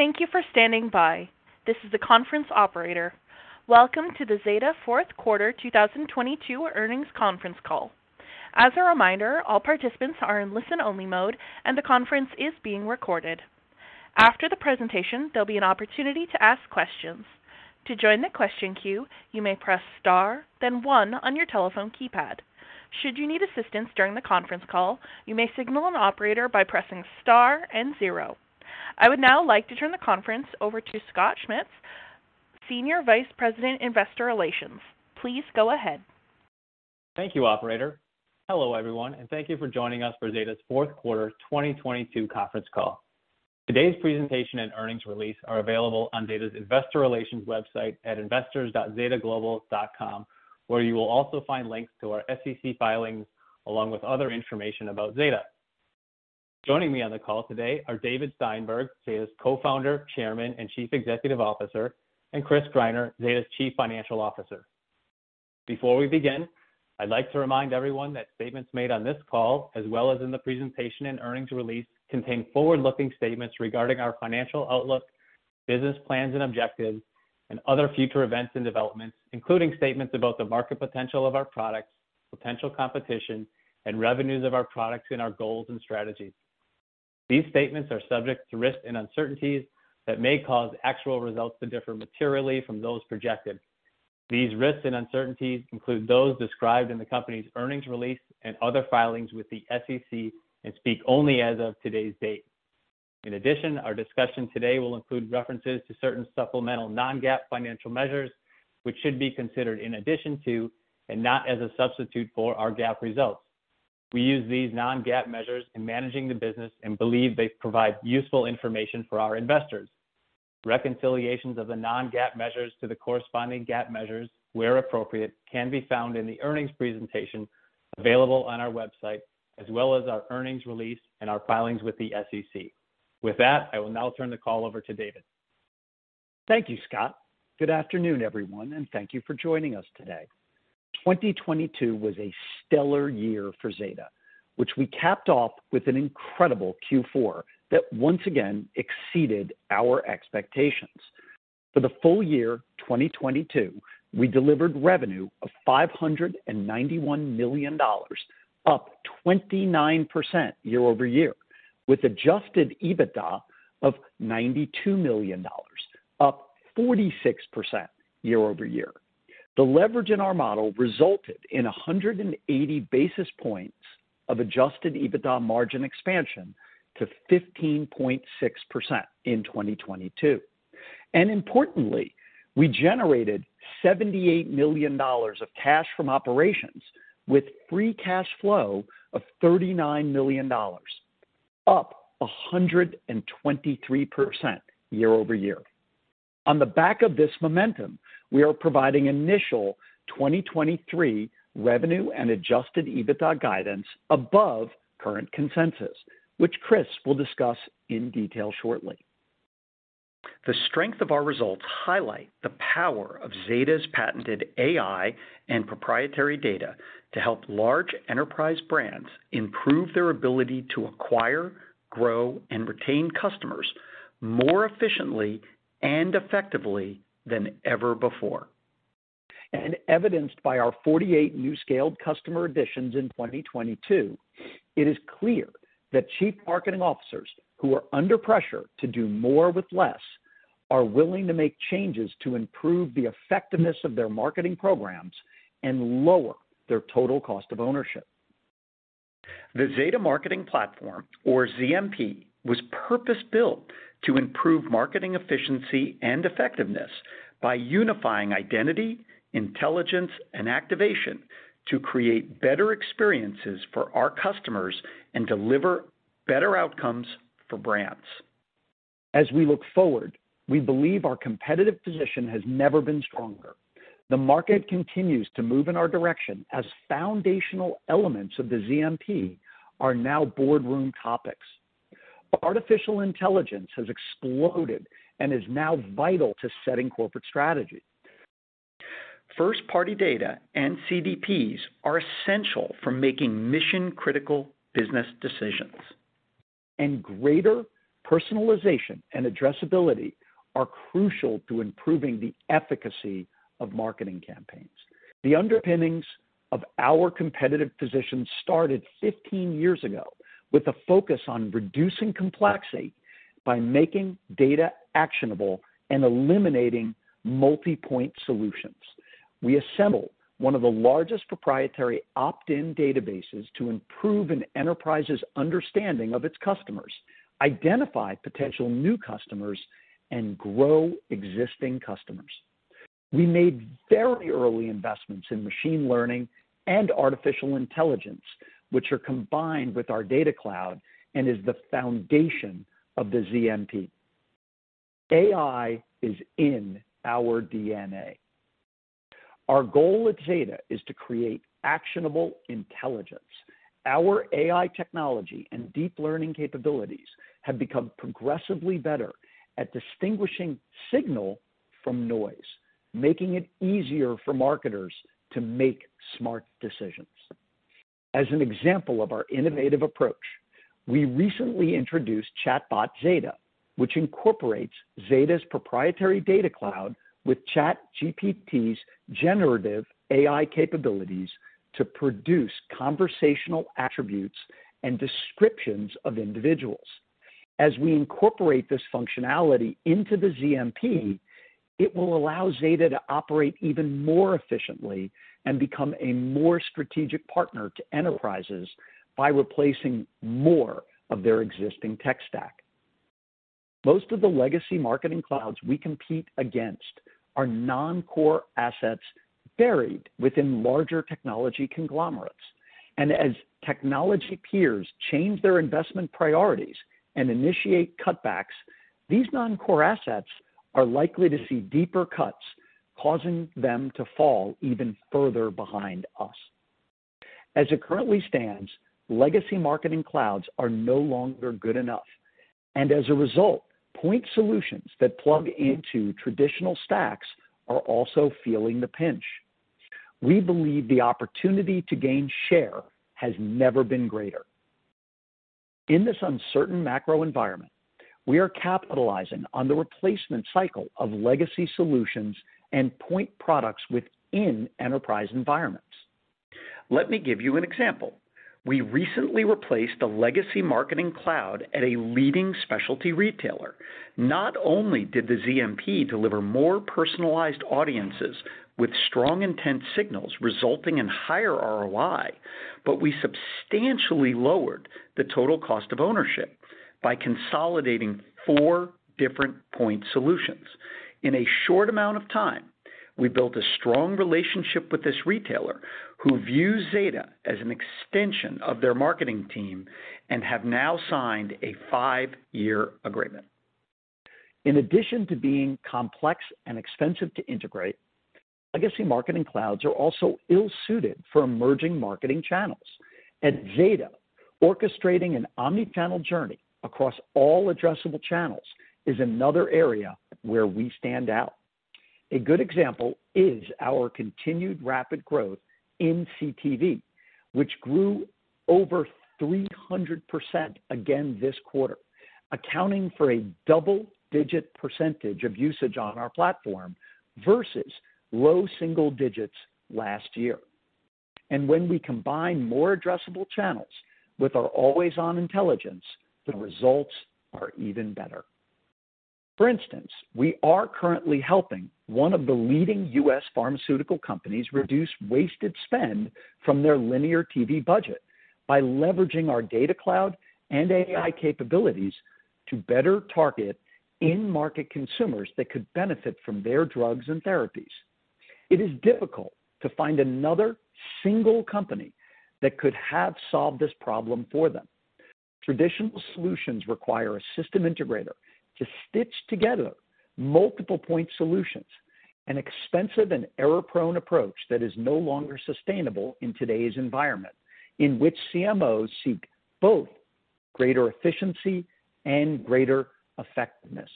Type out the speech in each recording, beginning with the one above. Thank you for standing by. This is the conference operator. Welcome to the Zeta fourth quarter 2022 earnings conference call. As a reminder, all participants are in listen-only mode, and the conference is being recorded. After the presentation, there'll be an opportunity to ask questions. To join the question queue, you may press star then one on your telephone keypad. Should you need assistance during the conference call, you may signal an operator by pressing star and zero. I would now like to turn the conference over to Scott Schmitz, Senior Vice President, Investor Relations. Please go ahead. Thank you, operator. Hello, everyone, thank you for joining us for Zeta's fourth quarter 2022 conference call. Today's presentation and earnings release are available on Zeta's Investor Relations website at investors.zetaglobal.com, where you will also find links to our SEC filings along with other information about Zeta. Joining me on the call today are David Steinberg, Zeta's Co-Founder, Chairman, and Chief Executive Officer, and Chris Greiner, Zeta's Chief Financial Officer. Before we begin, I'd like to remind everyone that statements made on this call as well as in the presentation and earnings release contain forward-looking statements regarding our financial outlook, business plans and objectives, and other future events and developments, including statements about the market potential of our products, potential competition, and revenues of our products, and our goals and strategies. These statements are subject to risks and uncertainties that may cause actual results to differ materially from those projected. These risks and uncertainties include those described in the company's earnings release and other filings with the SEC and speak only as of today's date. Our discussion today will include references to certain supplemental non-GAAP financial measures, which should be considered in addition to and not as a substitute for our GAAP results. We use these non-GAAP measures in managing the business and believe they provide useful information for our investors. Reconciliations of the non-GAAP measures to the corresponding GAAP measures, where appropriate, can be found in the earnings presentation available on our website, as well as our earnings release and our filings with the SEC. I will now turn the call over to David. Thank you, Scott. Good afternoon, everyone, and thank you for joining us today. 2022 was a stellar year for Zeta, which we capped off with an incredible Q4 that once again exceeded our expectations. For the full year 2022, we delivered revenue of $591 million, up 29% year-over-year, with Adjusted EBITDA of $92 million, up 46% year-over-year. The leverage in our model resulted in 180 basis points of Adjusted EBITDA margin expansion to 15.6% in 2022. Importantly, we generated $78 million of cash from operations with free cash flow of $39 million, up 123% year-over-year. On the back of this momentum, we are providing initial 2023 revenue and Adjusted EBITDA guidance above current consensus, which Chris will discuss in detail shortly. The strength of our results highlight the power of Zeta's patented AI and proprietary data to help large enterprise brands improve their ability to acquire, grow, and retain customers more efficiently and effectively than ever before. Evidenced by our 48 new scaled customer additions in 2022, it is clear that chief marketing officers who are under pressure to do more with less are willing to make changes to improve the effectiveness of their marketing programs and lower their total cost of ownership. The Zeta Marketing Platform, or ZMP, was purpose-built to improve marketing efficiency and effectiveness by unifying identity, intelligence, and activation to create better experiences for our customers and deliver better outcomes for brands. As we look forward, we believe our competitive position has never been stronger. The market continues to move in our direction as foundational elements of the ZMP are now boardroom topics. Artificial intelligence has exploded and is now vital to setting corporate strategy. First-party data and CDPs are essential for making mission-critical business decisions, and greater personalization and addressability are crucial to improving the efficacy of marketing campaigns. The underpinnings of our competitive position started 15 years ago with a focus on reducing complexity by making data actionable and eliminating multi-point solutions. We assembled one of the largest proprietary opt-in databases to improve an enterprise's understanding of its customers, identify potential new customers, and grow existing customers. We made very early investments in machine learning and artificial intelligence, which are combined with our Data Cloud and is the foundation of the ZMP. AI is in our DNA. Our goal at Zeta is to create actionable intelligence. Our AI technology and deep learning capabilities have become progressively better at distinguishing signal from noise, making it easier for marketers to make smart decisions. As an example of our innovative approach, we recently introduced ChatBotZeta, which incorporates Zeta Data Cloud with ChatGPT's generative AI capabilities to produce conversational attributes and descriptions of individuals. As we incorporate this functionality into the ZMP, it will allow Zeta to operate even more efficiently and become a more strategic partner to enterprises by replacing more of their existing tech stack. Most of the legacy marketing clouds we compete against are non-core assets buried within larger technology conglomerates. As technology peers change their investment priorities and initiate cutbacks, these non-core assets are likely to see deeper cuts, causing them to fall even further behind us. As it currently stands, legacy marketing clouds are no longer good enough, and as a result, point solutions that plug into traditional stacks are also feeling the pinch. We believe the opportunity to gain share has never been greater. In this uncertain macro environment, we are capitalizing on the replacement cycle of legacy solutions and point products within enterprise environments. Let me give you an example. We recently replaced a legacy marketing cloud at a leading specialty retailer. Not only did the ZMP deliver more personalized audiences with strong intent signals resulting in higher ROI, but we substantially lowered the total cost of ownership by consolidating four different point solutions. In a short amount of time, we built a strong relationship with this retailer, who views Zeta as an extension of their marketing team and have now signed a five-year agreement. In addition to being complex and expensive to integrate, legacy marketing clouds are also ill-suited for emerging marketing channels. At Zeta, orchestrating an omnichannel journey across all addressable channels is another area where we stand out. A good example is our continued rapid growth in CTV, which grew over 300% again this quarter, accounting for a double-digit percentage of usage on our platform versus low single-digits last year. When we combine more addressable channels with our always-on intelligence, the results are even better. For instance, we are currently helping one of the leading U.S. pharmaceutical companies reduce wasted spend from their linear TV budget by leveraging our Data Cloud and AI capabilities to better target in-market consumers that could benefit from their drugs and therapies. It is difficult to find another single company that could have solved this problem for them. Traditional solutions require a system integrator to stitch together multiple point solutions, an expensive and error-prone approach that is no longer sustainable in today's environment, in which CMOs seek both greater efficiency and greater effectiveness.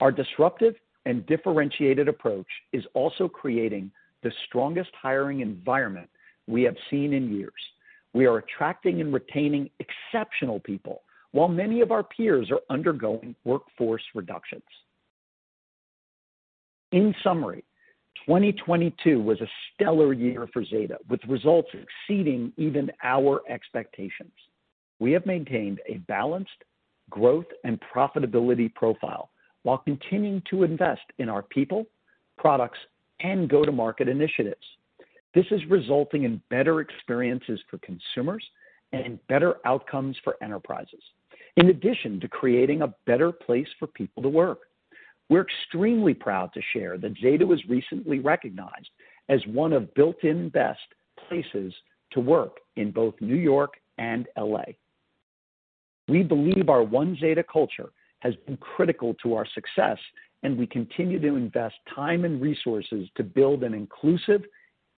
Our disruptive and differentiated approach is also creating the strongest hiring environment we have seen in years. We are attracting and retaining exceptional people while many of our peers are undergoing workforce reductions. In summary, 2022 was a stellar year for Zeta, with results exceeding even our expectations. We have maintained a balanced growth and profitability profile while continuing to invest in our people, products, and go-to-market initiatives. This is resulting in better experiences for consumers and better outcomes for enterprises, in addition to creating a better place for people to work. We're extremely proud to share that Zeta was recently recognized as one of Built In Best Places to Work in both New York and L.A. We believe our One Zeta culture has been critical to our success, we continue to invest time and resources to build an inclusive,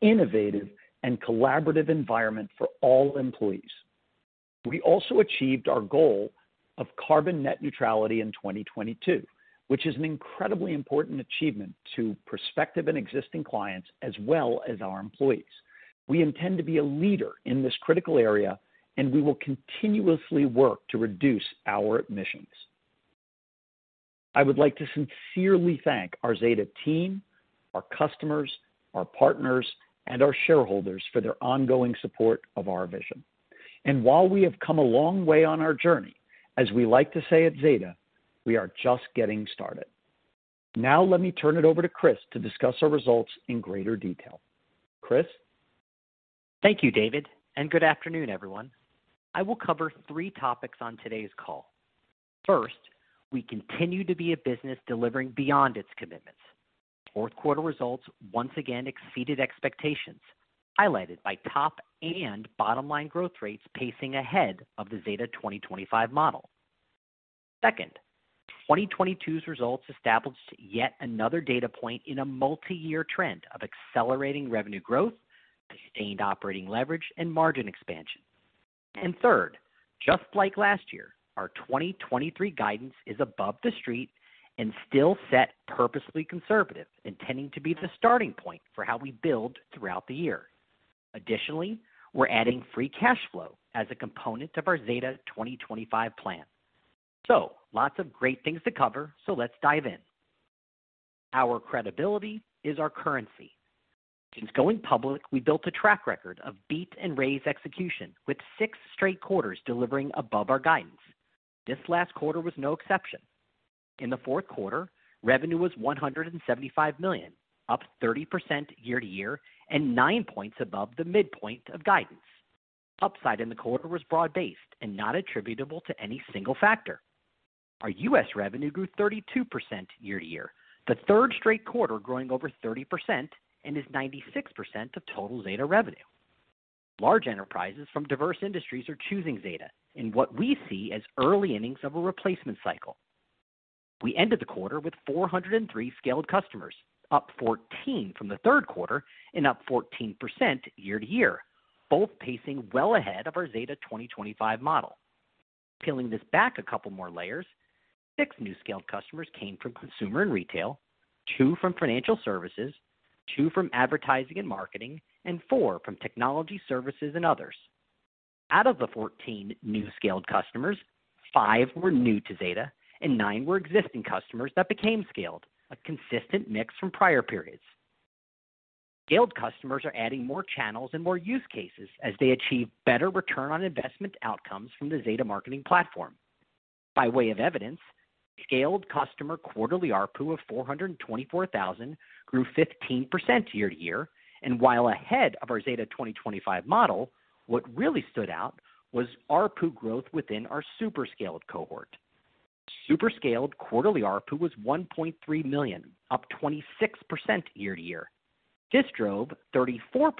innovative, and collaborative environment for all employees. We also achieved our goal of carbon net neutrality in 2022, which is an incredibly important achievement to prospective and existing clients as well as our employees. We intend to be a leader in this critical area, we will continuously work to reduce our emissions. I would like to sincerely thank our Zeta team, our customers, our partners, and our shareholders for their ongoing support of our vision. While we have come a long way on our journey, as we like to say at Zeta, we are just getting started. Let me turn it over to Chris to discuss our results in greater detail. Chris? Thank you, David. Good afternoon, everyone. I will cover three topics on today's call. First, we continue to be a business delivering beyond its commitments. Fourth quarter results once again exceeded expectations, highlighted by top and bottom line growth rates pacing ahead of the Zeta 2025 model. Second, 2022's results established yet another data point in a multi-year trend of accelerating revenue growth, sustained operating leverage, and margin expansion. Third, just like last year, our 2023 guidance is above the street and still set purposely conservative, intending to be the starting point for how we build throughout the year. Additionally, we're adding free cash flow as a component of our Zeta 2025 plan. Lots of great things to cover, so let's dive in. Our credibility is our currency. Since going public, we built a track record of beat and raise execution with six straight quarters delivering above our guidance. This last quarter was no exception. In the fourth quarter, revenue was $175 million, up 30% year-to-year and nine points above the midpoint of guidance. Upside in the quarter was broad-based and not attributable to any single factor. Our U.S. revenue grew 32% year-to-year, the third straight quarter growing over 30% and is 96% of total Zeta revenue. Large enterprises from diverse industries are choosing Zeta in what we see as early innings of a replacement cycle. We ended the quarter with 403 scaled customers, up 14 from the third quarter and up 14% year-to-year, both pacing well ahead of our Zeta 2025 model. Peeling this back a couple more layers, six new scaled customers came from consumer and retail, two from financial services, two from advertising and marketing, and four from technology services and others. Out of the 14 new scaled customers, five were new to Zeta and nine were existing customers that became scaled, a consistent mix from prior periods. Scaled customers are adding more channels and more use cases as they achieve better return on investment outcomes from the Zeta Marketing Platform. By way of evidence, scaled customer quarterly ARPU of $424,000 grew 15% year-to-year. While ahead of our Zeta 2025 model, what really stood out was ARPU growth within our super scaled cohort. Super scaled quarterly ARPU was $1.3 million, up 26% year-to-year. This drove 34%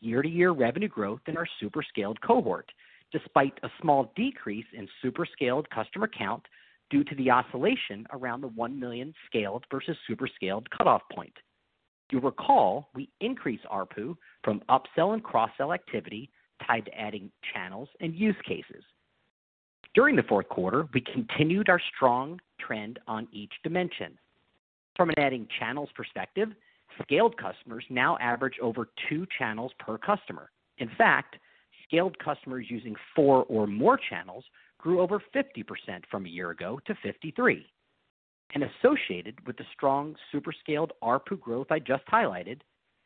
year-over-year revenue growth in our super scaled cohort, despite a small decrease in super scaled customer count due to the oscillation around the 1 million scaled versus super scaled cutoff point. You recall we increased ARPU from upsell and cross-sell activity tied to adding channels and use cases. During the fourth quarter, we continued our strong trend on each dimension. From an adding channels perspective, scaled customers now average over two channels per customer. In fact, scaled customers using four or more channels grew over 50% from a year ago to 53%. Associated with the strong super scaled ARPU growth I just highlighted,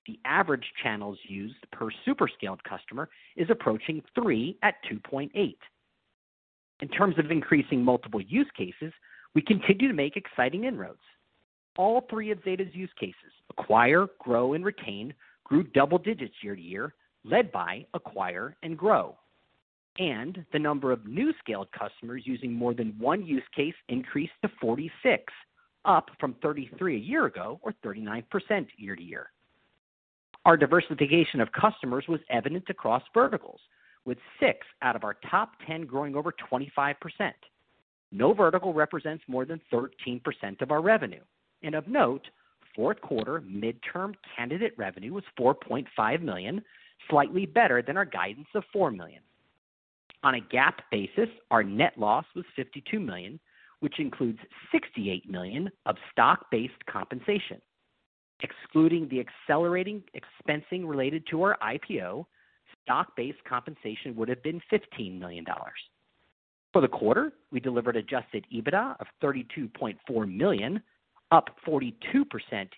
the average channels used per super scaled customer is approaching three at 2.8. In terms of increasing multiple use cases, we continue to make exciting inroads. All three of Zeta's use cases acquire, grow, and retain grew double-digits year-over-year, led by acquire and grow. The number of new scaled customers using more than one use case increased to 46%, up from 33% a year ago or 39% year-over-year. Our diversification of customers was evident across verticals, with six out of our top 10 growing over 25%. No vertical represents more than 13% of our revenue. Of note, fourth quarter midterm candidate revenue was $4.5 million, slightly better than our guidance of $4 million. On a GAAP basis, our net loss was $52 million, which includes $68 million of stock-based compensation. Excluding the accelerating expensing related to our IPO, stock-based compensation would have been $15 million. For the quarter, we delivered Adjusted EBITDA of $32.4 million, up 42%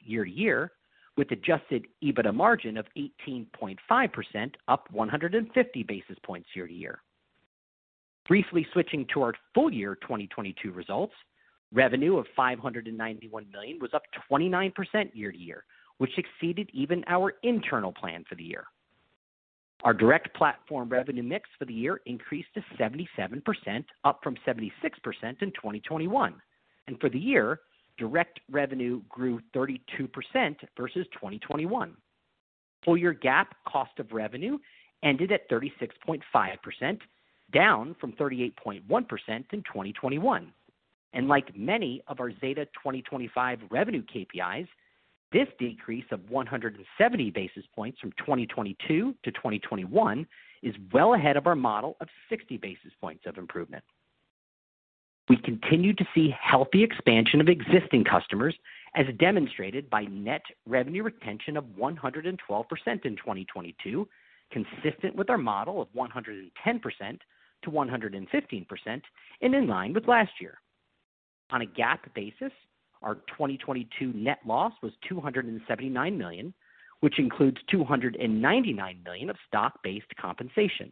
year-over-year, with Adjusted EBITDA margin of 18.5%, up 150 basis points year-over-year. Briefly switching to our full year 2022 results, revenue of $591 million was up 29% year-over-year, which exceeded even our internal plan for the year. Our direct platform revenue mix for the year increased to 77%, up from 76% in 2021. For the year, direct revenue grew 32% versus 2021. Full year GAAP cost of revenue ended at 36.5%, down from 38.1% in 2021. Like many of our Zeta 2025 revenue KPIs, this decrease of 170 basis points from 2022-2021 is well ahead of our model of 60 basis points of improvement. We continue to see healthy expansion of existing customers, as demonstrated by net revenue retention of 112% in 2022, consistent with our model of 110%-115% and in line with last year. On a GAAP basis, our 2022 net loss was $279 million, which includes $299 million of stock-based compensation.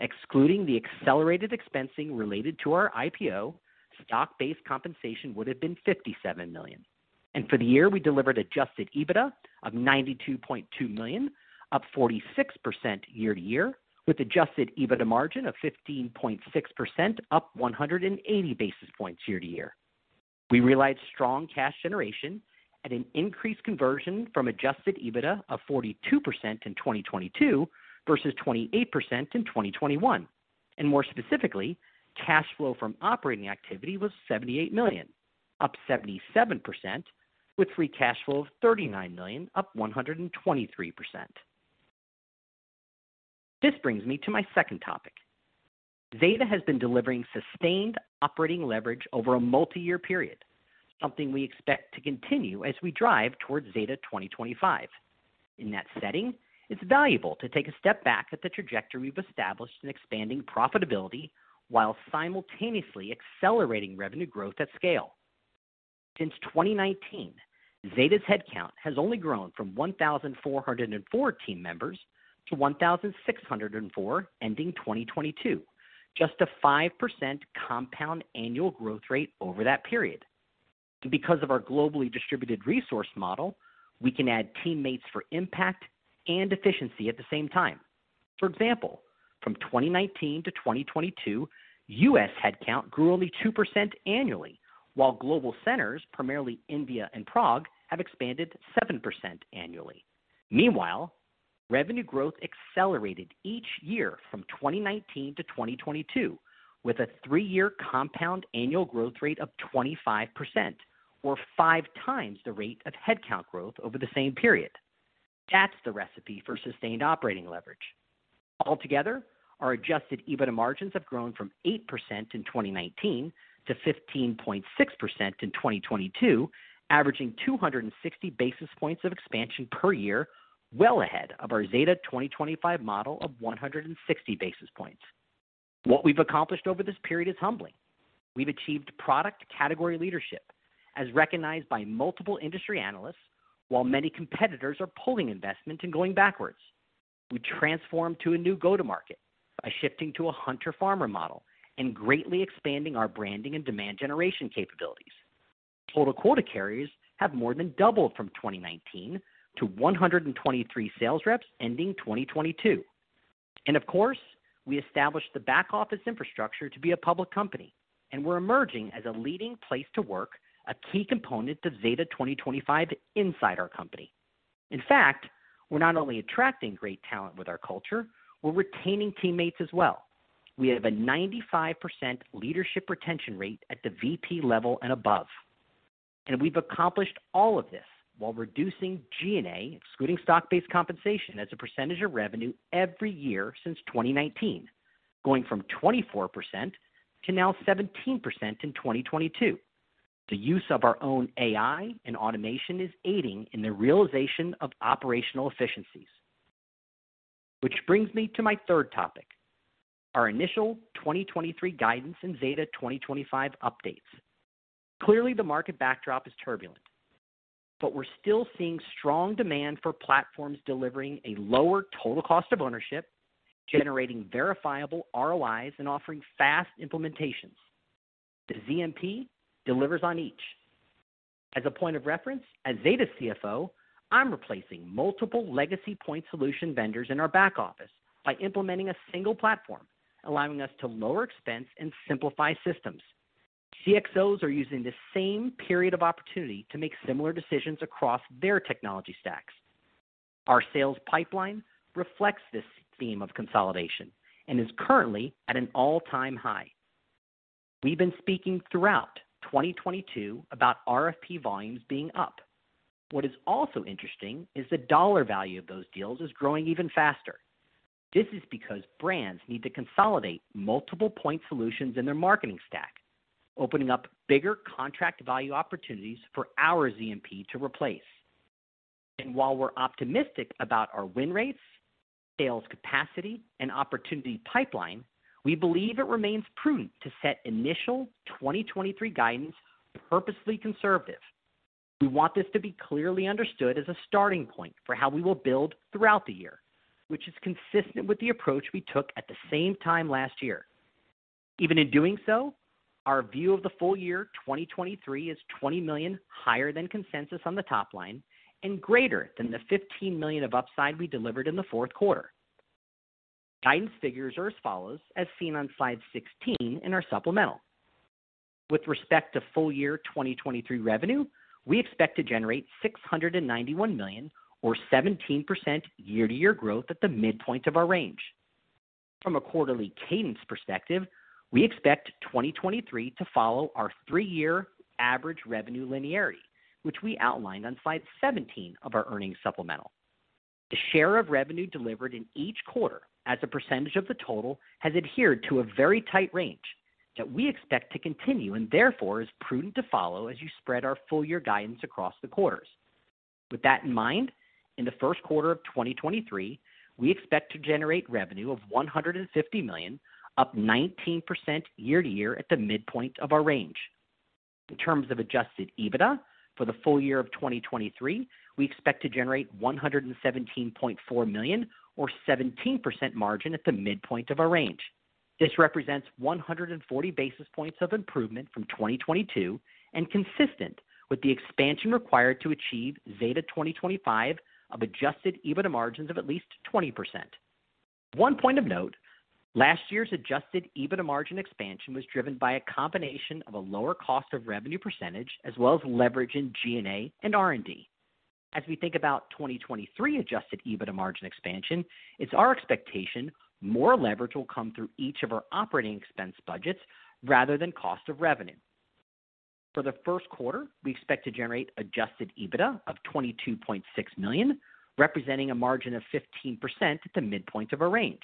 Excluding the accelerated expensing related to our IPO, stock-based compensation would have been $57 million. For the year, we delivered Adjusted EBITDA of $92.2 million, up 46% year-to-year, with Adjusted EBITDA margin of 15.6%, up 180 basis points year-to-year. We realized strong cash generation at an increased conversion from Adjusted EBITDA of 42% in 2022 versus 28% in 2021. More specifically, cash flow from operating activity was $78 million. Up 77% with free cash flow of $39 million, up 123%. This brings me to my second topic. Zeta has been delivering sustained operating leverage over a multi-year period, something we expect to continue as we drive towards Zeta 2025. In that setting, it's valuable to take a step back at the trajectory we've established in expanding profitability while simultaneously accelerating revenue growth at scale. Since 2019, Zeta's headcount has only grown from 1,404 team members to 1,604 ending 2022, just a 5% Compound Annual Growth Rate over that period. Because of our globally distributed resource model, we can add teammates for impact and efficiency at the same time. For example, from 2019-2022, U.S. headcount grew only 2% annually, while global centers, primarily India and Prague, have expanded 7% annually. Meanwhile, revenue growth accelerated each year from 2019-2022, with a three-year Compound Annual Growth Rate of 25% or 5x the rate of headcount growth over the same period. That's the recipe for sustained operating leverage. Altogether, our Adjusted EBITDA margins have grown from 8% in 2019 to 15.6% in 2022, averaging 260 basis points of expansion per year, well ahead of our Zeta 2025 model of 160 basis points. What we've accomplished over this period is humbling. We've achieved product category leadership as recognized by multiple industry analysts, while many competitors are pulling investment and going backwards. We transformed to a new go-to-market by shifting to a hunter-farmer model and greatly expanding our branding and demand generation capabilities. Total quota carriers have more than doubled from 2019 to 123 sales reps ending 2022. Of course, we established the back-office infrastructure to be a public company, and we're emerging as a leading place to work, a key component to Zeta 2025 inside our company. In fact, we're not only attracting great talent with our culture, we're retaining teammates as well. We have a 95% leadership retention rate at the VP level and above. We've accomplished all of this while reducing G&A, excluding stock-based compensation as a percentage of revenue every year since 2019, going from 24% to now 17% in 2022. The use of our own AI and automation is aiding in the realization of operational efficiencies. Which brings me to my third topic, our initial 2023 guidance and Zeta 2025 updates. Clearly, the market backdrop is turbulent, but we're still seeing strong demand for platforms delivering a lower total cost of ownership, generating verifiable ROIs, and offering fast implementations. The ZMP delivers on each. As a point of reference, as Zeta's CFO, I'm replacing multiple legacy point solution vendors in our back office by implementing a single platform, allowing us to lower expense and simplify systems. CXOs are using the same period of opportunity to make similar decisions across their technology stacks. Our sales pipeline reflects this theme of consolidation and is currently at an all-time high. We've been speaking throughout 2022 about RFP volumes being up. What is also interesting is the dollar value of those deals is growing even faster. This is because brands need to consolidate multiple point solutions in their marketing stack, opening up bigger contract value opportunities for our ZMP to replace. While we're optimistic about our win rates, sales capacity, and opportunity pipeline, we believe it remains prudent to set initial 2023 guidance purposefully conservative. We want this to be clearly understood as a starting point for how we will build throughout the year, which is consistent with the approach we took at the same time last year. Even in doing so, our view of the full year 2023 is $20 million higher than consensus on the top line and greater than the $15 million of upside we delivered in the fourth quarter. Guidance figures are as follows, as seen on slide 16 in our supplemental. With respect to full year 2023 revenue, we expect to generate $691 million or 17% year-over-year growth at the midpoint of our range. From a quarterly cadence perspective, we expect 2023 to follow our three-year average revenue linearity, which we outlined on slide 17 of our earnings supplemental. The share of revenue delivered in each quarter as a percentage of the total has adhered to a very tight range that we expect to continue and therefore is prudent to follow as you spread our full year guidance across the quarters. With that in mind, in the first quarter of 2023, we expect to generate revenue of $150 million, up 19% year-to-year at the midpoint of our range. In terms of Adjusted EBITDA for the full year of 2023, we expect to generate $117.4 million or 17% margin at the midpoint of our range. This represents 140 basis points of improvement from 2022 and consistent with the expansion required to achieve Zeta 2025 of Adjusted EBITDA margins of at least 20%. One point of note, last year's Adjusted EBITDA margin expansion was driven by a combination of a lower cost of revenue percentage as well as leverage in G&A and R&D. As we think about 2023 Adjusted EBITDA margin expansion, it's our expectation more leverage will come through each of our operating expense budgets rather than cost of revenue. For the first quarter, we expect to generate Adjusted EBITDA of $22.6 million, representing a margin of 15% at the midpoint of a range.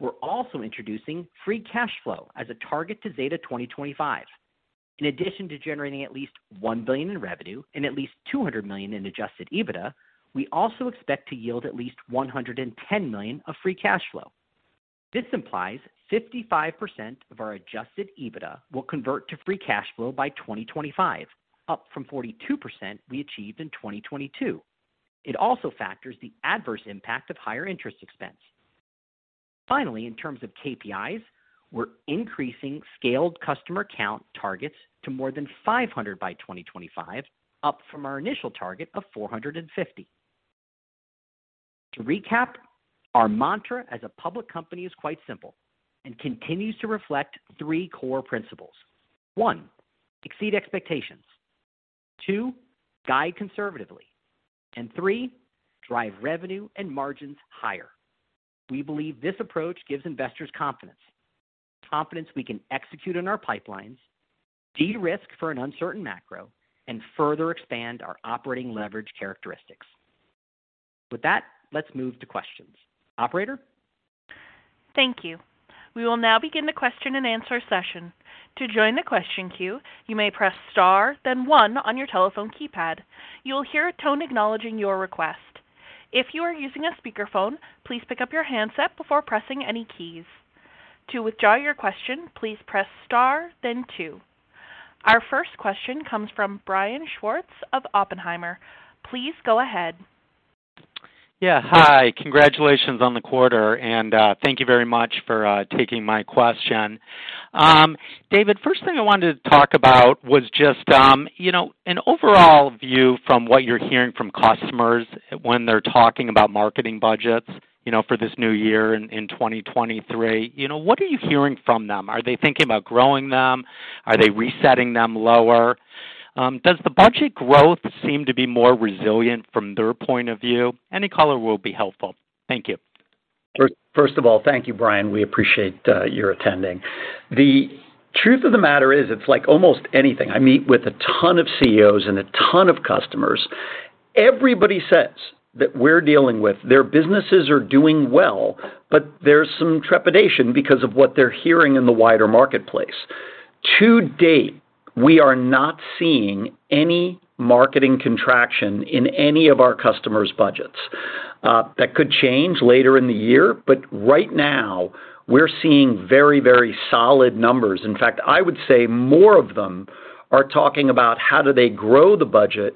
We're also introducing free cash flow as a target to Zeta 2025. In addition to generating at least $1 billion in revenue and at least $200 million in Adjusted EBITDA, we also expect to yield at least $110 million of free cash flow. This implies 55% of our Adjusted EBITDA will convert to free cash flow by 2025, up from 42% we achieved in 2022. It also factors the adverse impact of higher interest expense. Finally, in terms of KPIs, we're increasing scaled customer count targets to more than 500 by 2025, up from our initial target of 450. To recap, our mantra as a public company is quite simple and continues to reflect three core principles. One, exceed expectations. Two, guide conservatively. Three, drive revenue and margins higher. We believe this approach gives investors confidence. Confidence we can execute on our pipelines, de-risk for an uncertain macro, and further expand our operating leverage characteristics. With that, let's move to questions. Operator? Thank you. We will now begin the question-and-answer session. To join the question queue, you may press star, then one on your telephone keypad. You will hear a tone acknowledging your request. If you are using a speakerphone, please pick up your handset before pressing any keys. To withdraw your question, please press star then two. Our first question comes from Brian Schwartz of Oppenheimer. Please go ahead. Yeah. Hi. Congratulations on the quarter, and thank you very much for taking my question. David, first thing I wanted to talk about was just, you know, an overall view from what you're hearing from customers when they're talking about marketing budgets, you know, for this new year in 2023. You know, what are you hearing from them? Are they thinking about growing them? Are they resetting them lower? Does the budget growth seem to be more resilient from their point of view? Any color will be helpful. Thank you. First of all, thank you, Brian. We appreciate your attending. The truth of the matter is it's like almost anything. I meet with a ton of CEOs and a ton of customers. Everybody says that we're dealing with their businesses are doing well, but there's some trepidation because of what they're hearing in the wider marketplace. To date, we are not seeing any marketing contraction in any of our customers' budgets. That could change later in the year, but right now we're seeing very, very solid numbers. In fact, I would say more of them are talking about how do they grow the budget.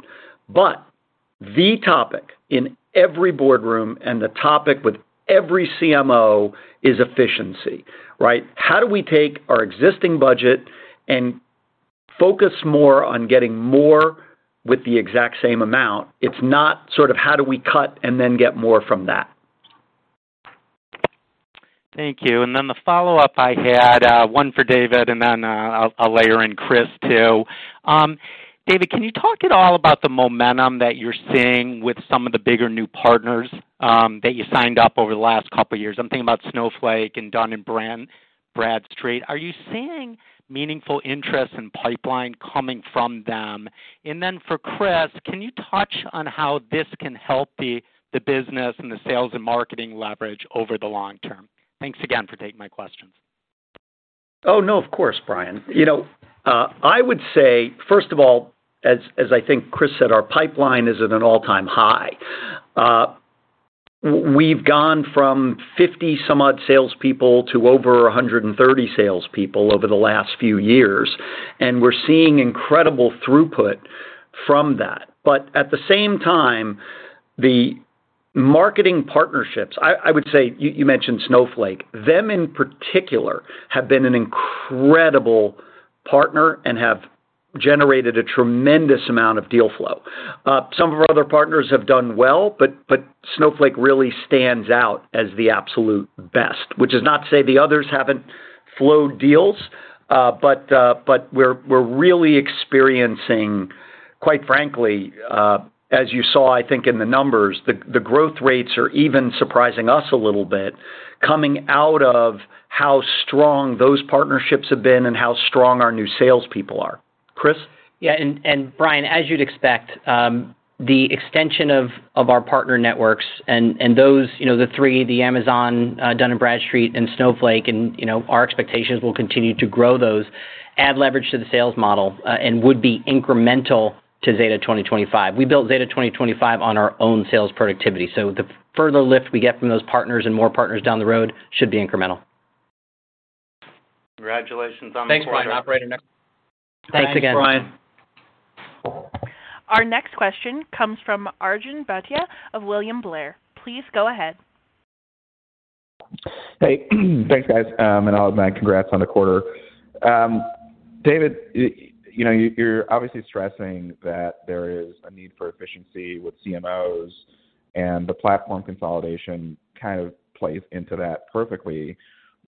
The topic in every boardroom and the topic with every CMO is efficiency, right? How do we take our existing budget and focus more on getting more with the exact same amount? It's not sort of how do we cut and then get more from that. Thank you. Then the follow-up I had, one for David and then, I'll layer in Chris too. David, can you talk at all about the momentum that you're seeing with some of the bigger new partners, that you signed up over the last couple of years? I'm thinking about Snowflake and Dun & Bradstreet. Are you seeing meaningful interest in pipeline coming from them? Then for Chris, can you touch on how this can help the business and the sales and marketing leverage over the long term? Thanks again for taking my questions. Oh, no, of course, Brian. You know, I would say, first of all, as I think Chris said, our pipeline is at an all-time high. We've gone from 50 some odd salespeople to over 130 salespeople over the last few years, and we're seeing incredible throughput from that. At the same time, the marketing partnerships, I would say, you mentioned Snowflake. Them in particular, have been an incredible partner and have generated a tremendous amount of deal flow. Some of our other partners have done well, but Snowflake really stands out as the absolute best. Which is not to say the others haven't flowed deals, but we're really experiencing, quite frankly, as you saw, I think in the numbers, the growth rates are even surprising us a little bit coming out of how strong those partnerships have been and how strong our new salespeople are. Chris. Yeah, Brian, as you'd expect, the extension of our partner networks and those, you know, the three, the Amazon, Dun & Bradstreet and Snowflake and, you know, our expectations will continue to grow those, add leverage to the sales model, and would be incremental to Zeta 2025. We built Zeta 2025 on our own sales productivity. The further lift we get from those partners and more partners down the road should be incremental. Congratulations on the quarter. Thanks, Brian. Operator, next. Thanks again. Thanks, Brian. Our next question comes from Arjun Bhatia of William Blair. Please go ahead. Hey, thanks, guys. All my congrats on the quarter. David, you know, you're obviously stressing that there is a need for efficiency with CMOs. The platform consolidation kind of plays into that perfectly.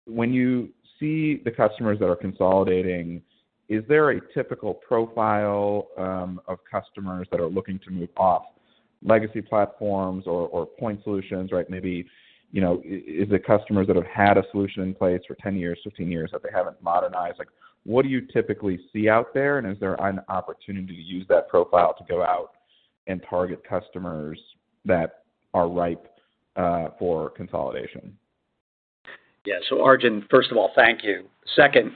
When you see the customers that are consolidating, is there a typical profile of customers that are looking to move off legacy platforms or point solutions, right? Maybe, you know, is it customers that have had a solution in place for 10 years, 15 years, that they haven't modernized? Like, what do you typically see out there, is there an opportunity to use that profile to go out and target customers that are ripe for consolidation? Yeah. Arjun, first of all, thank you. Second,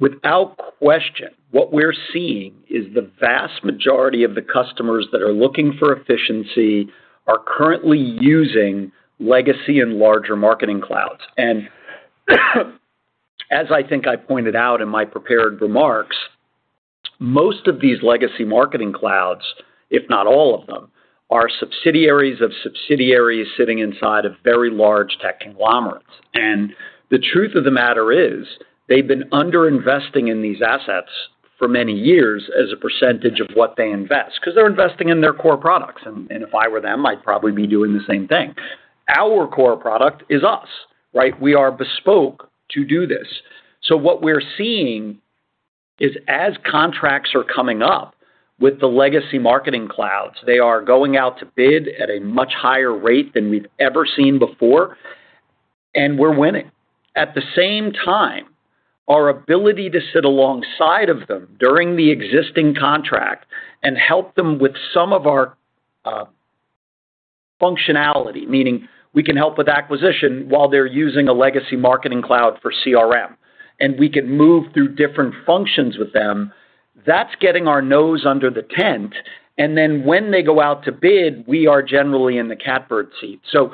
without question, what we're seeing is the vast majority of the customers that are looking for efficiency are currently using legacy and larger marketing clouds. As I think I pointed out in my prepared remarks, most of these legacy marketing clouds, if not all of them, are subsidiaries of subsidiaries sitting inside of very large tech conglomerates. The truth of the matter is, they've been underinvesting in these assets for many years as a percentage of what they invest, 'cause they're investing in their core products, and if I were them, I'd probably be doing the same thing. Our core product is us, right? We are bespoke to do this. What we're seeing is as contracts are coming up with the legacy marketing clouds, they are going out to bid at a much higher rate than we've ever seen before, and we're winning. At the same time, our ability to sit alongside of them during the existing contract and help them with some of our functionality, meaning we can help with acquisition while they're using a legacy marketing cloud for CRM, and we can move through different functions with them, that's getting our nose under the tent, and then when they go out to bid, we are generally in the catbird seat. To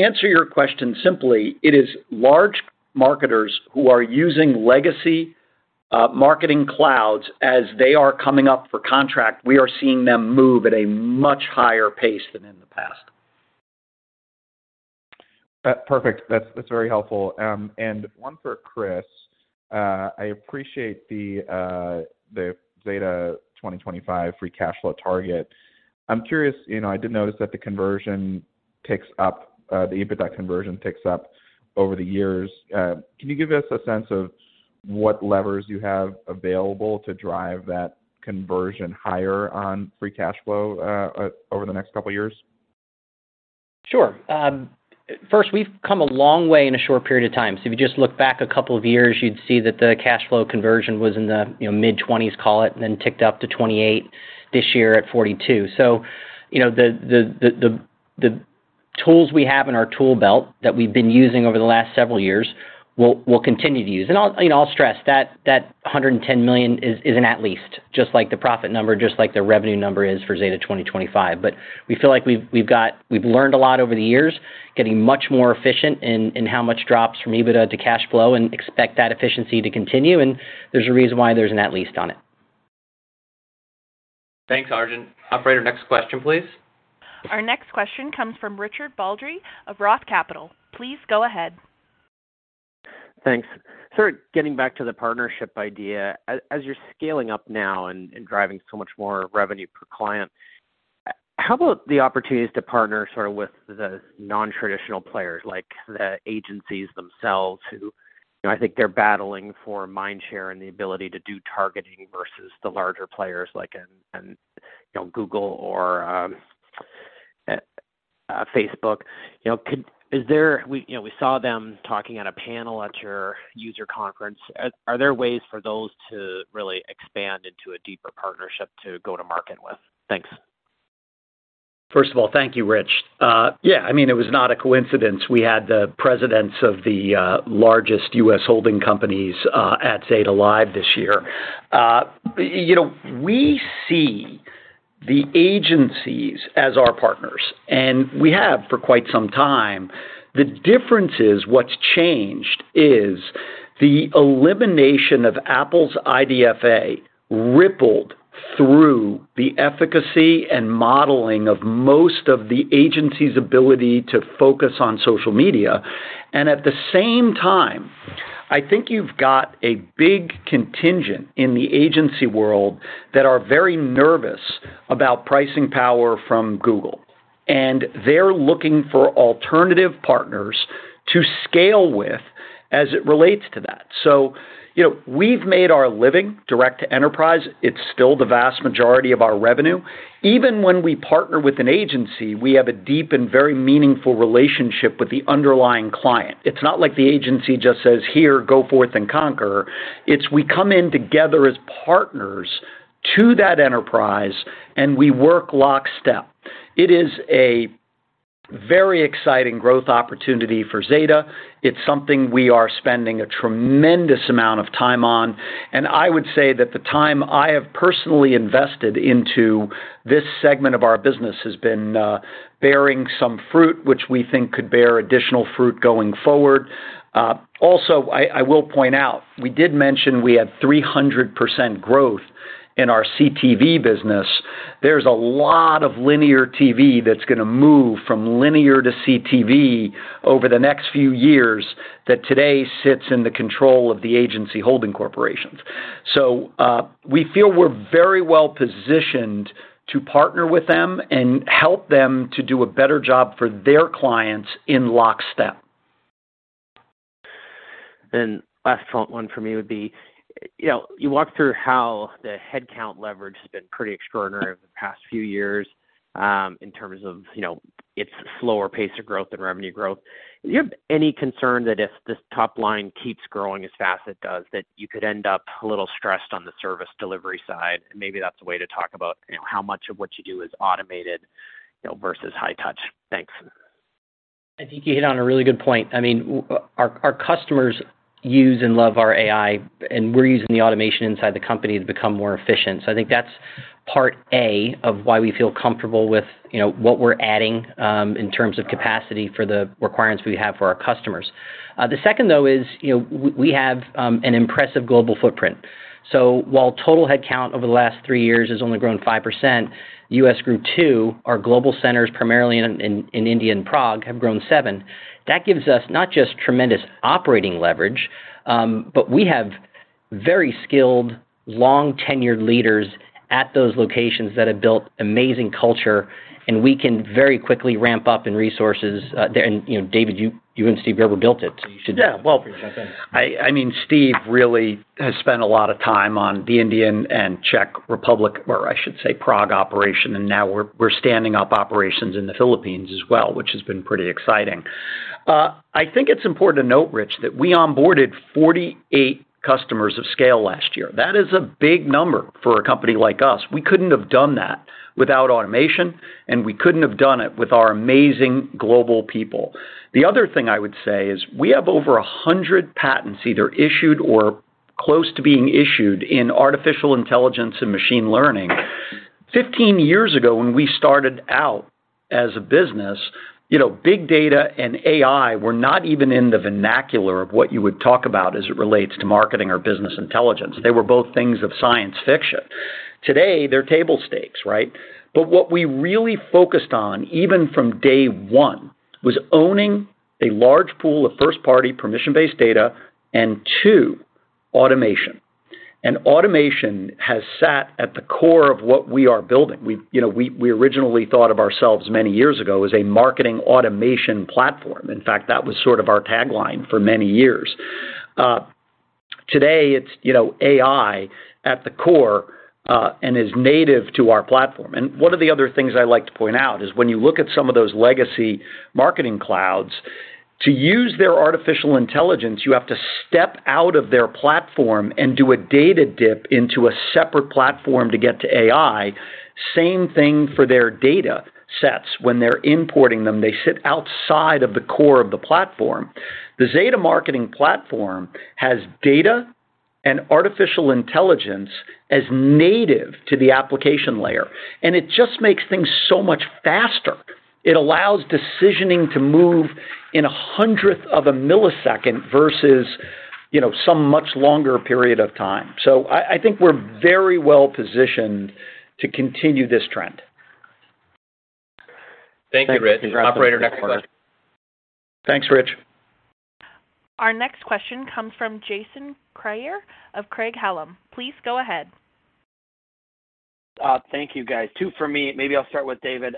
answer your question simply, it is large marketers who are using legacy marketing clouds as they are coming up for contract, we are seeing them move at a much higher pace than in the past. Perfect. That's very helpful. One for Chris. I appreciate the Zeta 2025 free cash flow target. I'm curious, you know, I did notice that the conversion, the EBITDA conversion ticks up over the years. Can you give us a sense of what levers you have available to drive that conversion higher on free cash flow over the next couple of years? Sure. first, we've come a long way in a short period of time. If you just look back a couple of years, you'd see that the cash flow conversion was in the, you know, mid-20s, call it, and then ticked up to 28%, this year at 42%. You know, the tools we have in our tool belt that we've been using over the last several years, we'll continue to use. I'll, you know, I'll stress that $110 million is an at least, just like the profit number, just like the revenue number is for Zeta 2025. We feel like we've learned a lot over the years, getting much more efficient in how much drops from EBITDA to cash flow, and expect that efficiency to continue, and there's a reason why there's an at least on it. Thanks, Arjun. Operator, next question, please. Our next question comes from Richard Baldry of Roth Capital. Please go ahead. Thanks. Sort of getting back to the partnership idea. As you're scaling up now and driving so much more revenue per client, how about the opportunities to partner sort of with the non-traditional players like the agencies themselves who, you know, I think they're battling for mind share and the ability to do targeting versus the larger players like, you know, Google or Facebook. You know, we saw them talking on a panel at your user conference. Are there ways for those to really expand into a deeper partnership to go to market with? Thanks. First of all, thank you, Rich. Yeah, I mean, it was not a coincidence we had the presidents of the largest U.S. holding companies at Zeta Live this year. You know, we see the agencies as our partners, and we have for quite some time. The difference is what's changed is the elimination of Apple's IDFA rippled through the efficacy and modeling of most of the agency's ability to focus on social media. At the same time, I think you've got a big contingent in the agency world that are very nervous about pricing power from Google, and they're looking for alternative partners to scale with as it relates to that. You know, we've made our living direct to enterprise. It's still the vast majority of our revenue. Even when we partner with an agency, we have a deep and very meaningful relationship with the underlying client. It's not like the agency just says, "Here, go forth and conquer." It's we come in together as partners to that enterprise, and we work lockstep. It is a very exciting growth opportunity for Zeta. It's something we are spending a tremendous amount of time on, and I would say that the time I have personally invested into this segment of our business has been bearing some fruit, which we think could bear additional fruit going forward. Also, I will point out, we did mention we had 300% growth in our CTV business. There's a lot of linear TV that's gonna move from linear to CTV over the next few years that today sits in the control of the agency holding corporations. We feel we're very well-positioned to partner with them and help them to do a better job for their clients in lockstep. Last one for me would be, you know, you walked through how the headcount leverage has been pretty extraordinary over the past few years, in terms of, you know, its slower pace of growth and revenue growth. Do you have any concern that if this top line keeps growing as fast as it does, that you could end up a little stressed on the service delivery side? Maybe that's a way to talk about, you know, how much of what you do is automated, you know, versus high touch. Thanks. I think you hit on a really good point. I mean, our customers use and love our AI, and we're using the automation inside the company to become more efficient. I think that's part A of why we feel comfortable with, you know, what we're adding in terms of capacity for the requirements we have for our customers. The second though is, you know, we have an impressive global footprint. While total headcount over the last three years has only grown 5%, U.S. grew 2%. Our global centers, primarily in India and Prague, have grown 7%. That gives us not just tremendous operating leverage, but we have very skilled, long-tenured leaders at those locations that have built amazing culture, and we can very quickly ramp up in resources. You know, David, you and Steve Gerber built it. Well, I mean, Steve really has spent a lot of time on the Indian and Czech Republic, or I should say Prague operation, and now we're standing up operations in the Philippines as well, which has been pretty exciting. I think it's important to note, Rich, that we onboarded 48 customers of scale last year. That is a big number for a company like us. We couldn't have done that without automation, and we couldn't have done it with our amazing global people. The other thing I would say is we have over 100 patents either issued or close to being issued in artificial intelligence and machine learning. 15 years ago, when we started out as a business, you know, big data and AI were not even in the vernacular of what you would talk about as it relates to marketing or business intelligence. They were both things of science fiction. Today, they're table stakes, right? What we really focused on, even from day one, was owning a large pool of first-party, permission-based data, and two, automation. Automation has sat at the core of what we are building. We, you know, we originally thought of ourselves many years ago as a marketing automation platform. In fact, that was sort of our tagline for many years. Today it's, you know, AI at the core, and is native to our platform. One of the other things I like to point out is when you look at some of those legacy marketing clouds, to use their artificial intelligence, you have to step out of their platform and do a data dip into a separate platform to get to AI. Same thing for their datasets. When they're importing them, they sit outside of the core of the platform. The Zeta Marketing Platform has data and artificial intelligence as native to the application layer, it just makes things so much faster. It allows decisioning to move in a hundredth of a millisecond versus, you know, some much longer period of time. I think we're very well-positioned to continue this trend. Thank you, Rich. Operator, next question. Thanks, Rich. Our next question comes from Jason Kreyer of Craig-Hallum. Please go ahead. Thank you, guys. Two for me. Maybe I'll start with David.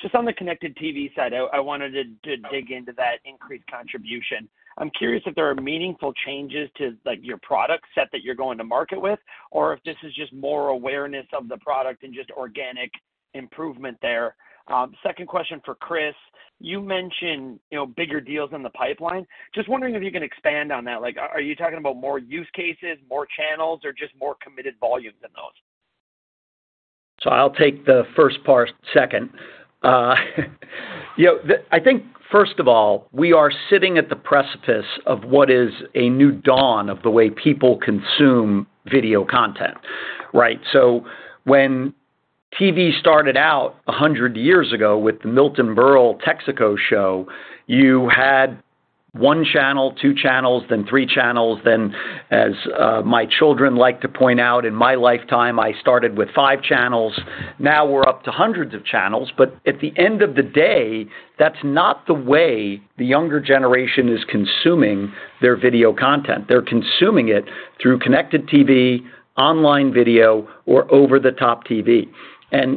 Just on the connected TV side, I wanted to dig into that increased contribution. I'm curious if there are meaningful changes to, like, your product set that you're going to market with, or if this is just more awareness of the product and just organic improvement there. Second question for Chris. You mentioned, you know, bigger deals in the pipeline. Just wondering if you can expand on that. Like, are you talking about more use cases, more channels, or just more committed volume than those? I'll take the first part second. You know, I think, first of all, we are sitting at the precipice of what is a new dawn of the way people consume video content, right? When TV started out 100 years ago with the Milton Berle Texaco Show, you had one channel, two channels, then three channels. As my children like to point out, in my lifetime, I started with five channels. Now we're up to hundreds of channels. At the end of the day, that's not the way the younger generation is consuming their video content. They're consuming it through connected TV, online video, or over-the-top TV.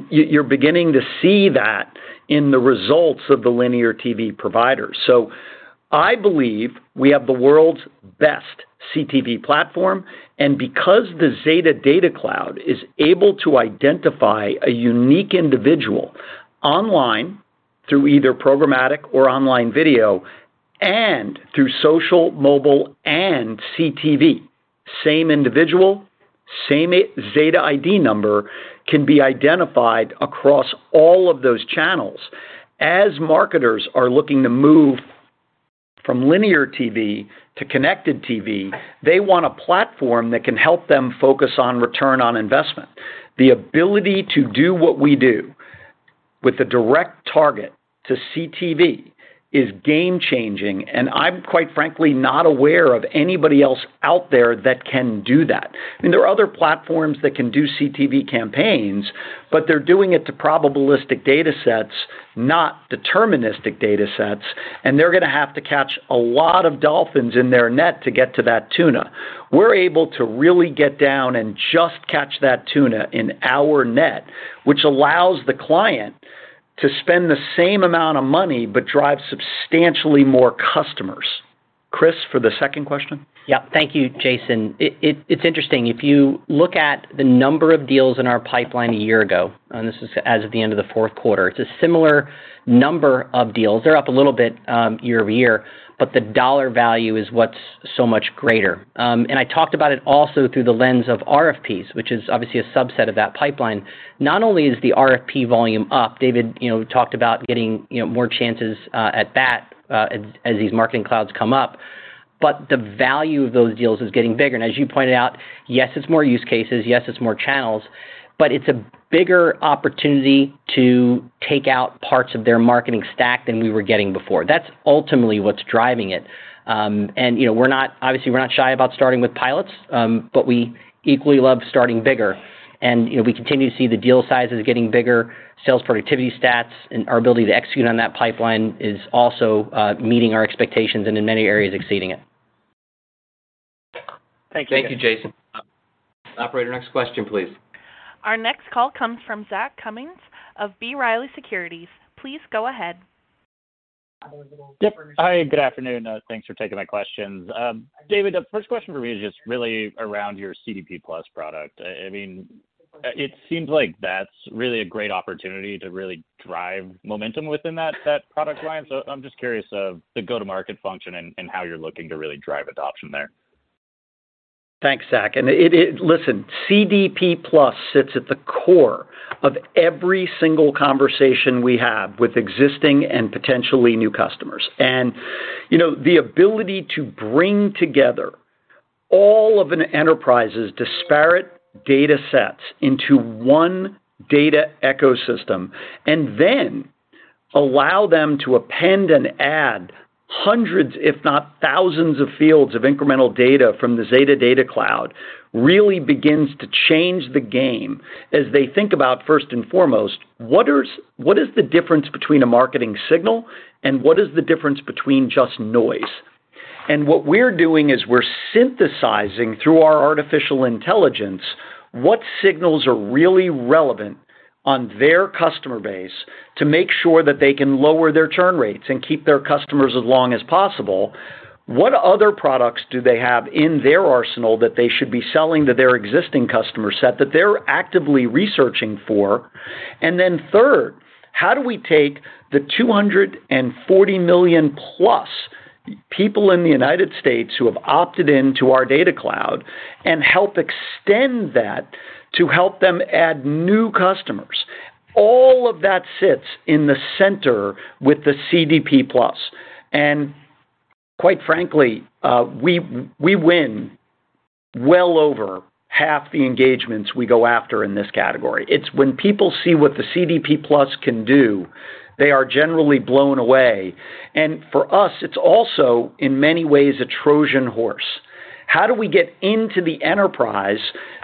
You're beginning to see that in the results of the linear TV providers. I believe we have the world's best CTV platform, and because the Zeta Data Cloud is able to identify a unique individual online through either programmatic or online video and through social, mobile, and CTV, same individual, same Zeta ID number can be identified across all of those channels. As marketers are looking to move from linear TV to connected TV, they want a platform that can help them focus on return on investment. The ability to do what we do with the direct target to CTV is game-changing, and I'm quite frankly not aware of anybody else out there that can do that. I mean, there are other platforms that can do CTV campaigns. They're doing it to probabilistic data sets, not deterministic data sets, and they're going to have to catch a lot of dolphins in their net to get to that tuna. We're able to really get down and just catch that tuna in our net, which allows the client to spend the same amount of money but drive substantially more customers. Chris, for the second question. Thank you, Jason. It's interesting, if you look at the number of deals in our pipeline a year ago, this is as of the end of the fourth quarter, it's a similar number of deals. They're up a little bit year-over-year, the dollar value is what's so much greater. I talked about it also through the lens of RFPs, which is obviously a subset of that pipeline. Not only is the RFP volume up, David, you know, talked about getting, you know, more chances at bat as these marketing clouds come up, the value of those deals is getting bigger. As you pointed out, yes, it's more use cases, yes, it's more channels, it's a bigger opportunity to take out parts of their marketing stack than we were getting before. That's ultimately what's driving it. You know, obviously we're not shy about starting with pilots, but we equally love starting bigger. You know, we continue to see the deal sizes getting bigger, sales productivity stats, and our ability to execute on that pipeline is also meeting our expectations and in many areas exceeding it. Thank you, Jason. Operator, next question, please. Our next call comes from Zach Cummins of B. Riley Securities. Please go ahead. Yep. Hi, good afternoon. Thanks for taking my questions. David, the first question for me is just really around your CDP+ product. I mean, it seems like that's really a great opportunity to really drive momentum within that product line. I'm just curious of the go-to-market function and how you're looking to really drive adoption there. Thanks, Zach. Listen, CDP+ sits at the core of every single conversation we have with existing and potentially new customers. You know, the ability to bring together all of an enterprise's disparate data sets into one data ecosystem, and then allow them to append and add hundreds, if not thousands of fields of incremental data from the Zeta Data Cloud, really begins to change the game as they think about, first and foremost, what is, what is the difference between a marketing signal and what is the difference between just noise? What we're doing is we're synthesizing through our artificial intelligence what signals are really relevant on their customer base to make sure that they can lower their churn rates and keep their customers as long as possible. What other products do they have in their arsenal that they should be selling to their existing customer set that they're actively researching for? Third, how do we take the 240 million+ people in the United States who have opted into our Zeta Data Cloud and help extend that to help them add new customers? All of that sits in the center with the CDP+. Quite frankly, we win well over half the engagements we go after in this category. It's when people see what the CDP+ can do, they are generally blown away. For us, it's also, in many ways, a Trojan horse. How do we get into the enterprise?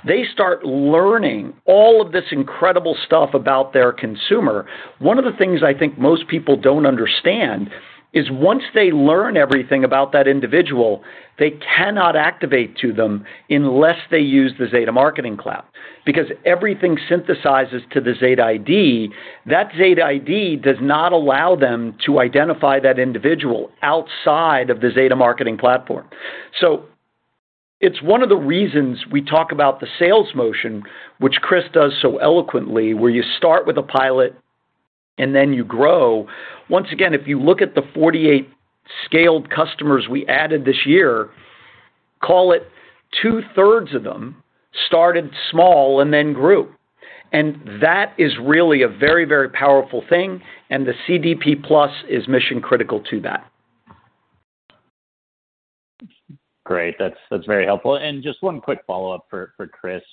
They start learning all of this incredible stuff about their consumer. One of the things I think most people don't understand is once they learn everything about that individual, they cannot activate to them unless they use the Zeta Marketing Platform. Because everything synthesizes to the Zeta ID, that Zeta ID does not allow them to identify that individual outside of the Zeta Marketing Platform. It's one of the reasons we talk about the sales motion, which Chris does so eloquently, where you start with a pilot, then you grow. Once again, if you look at the 48 scaled customers we added this year, call it two-thirds of them started small and then grew. That is really a very, very powerful thing, and the CDP+ is mission-critical to that. Great. That's very helpful. Just one quick follow-up for Chris.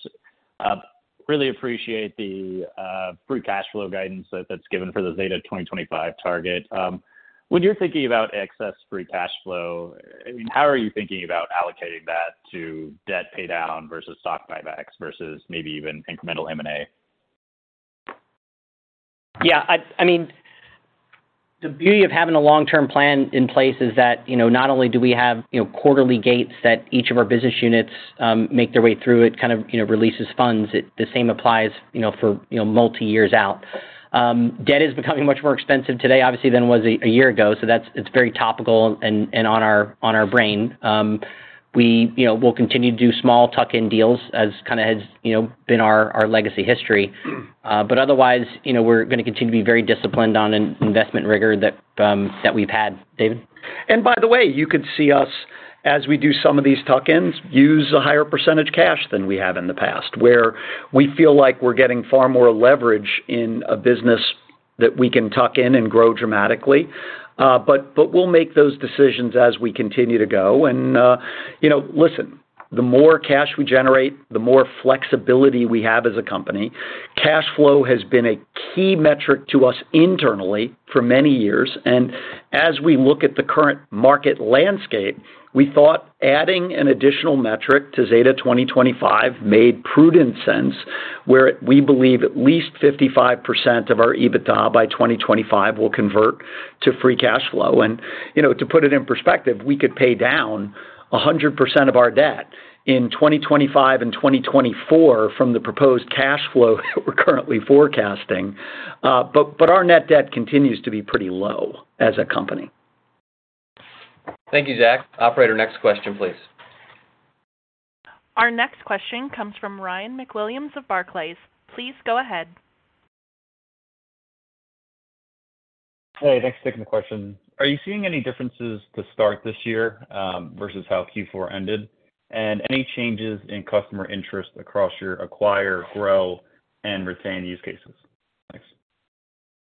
Really appreciate the free cash flow guidance that's given for the Zeta 2025 target. When you're thinking about excess free cash flow, I mean, how are you thinking about allocating that to debt pay down versus stock buybacks versus maybe even incremental M&A? Yeah, I mean, the beauty of having a long-term plan in place is that, you know, not only do we have, you know, quarterly gates that each of our business units, make their way through it, kind of, you know, releases funds. The same applies, you know, for, you know, multi years out. Debt is becoming much more expensive today, obviously, than it was a year ago, so that's it's very topical and on our brain. We, you know, we'll continue to do small tuck-in deals as kind of has, you know, been our legacy history. Otherwise, you know, we're gonna continue to be very disciplined on in-investment rigor that we've had. David? By the way, you could see us as we do some of these tuck-ins, use a higher percentage cash than we have in the past, where we feel like we're getting far more leverage in a business that we can tuck in and grow dramatically. We'll make those decisions as we continue to go. You know, listen, the more cash we generate, the more flexibility we have as a company. Cash flow has been a key metric to us internally for many years. As we look at the current market landscape, we thought adding an additional metric to Zeta 2025 made prudent sense, where we believe at least 55% of our EBITDA by 2025 will convert to free cash flow. You know, to put it in perspective, we could pay down 100% of our debt in 2025 and 2024 from the proposed cash flow that we're currently forecasting. Our net debt continues to be pretty low as a company. Thank you, Zach. Operator, next question, please. Our next question comes from Ryan MacWilliams of Barclays. Please go ahead. Hey, thanks for taking the question. Are you seeing any differences to start this year, versus how Q4 ended? Any changes in customer interest across your acquire, grow, and retain use cases? Thanks.